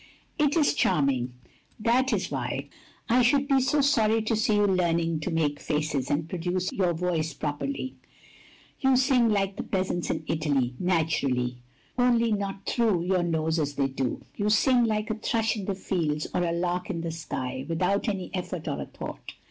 "It is charming. That is why I should be so sorry to see you learning to make faces, and produce your voice properly. You sing like the peasants in Italy — ^naturally ; only not through your nose as they do! you sing like a thrush in the fields or a lark in the sky — ^without an effort or a thought.